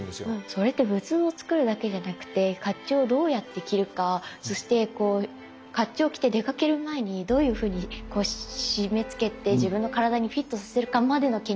それって仏像をつくるだけじゃなくてかっちゅうをどうやって着るかそしてかっちゅうを着て出かける前にどういうふうに締めつけて自分の体にフィットさせるかまでの研究が必要ですよね。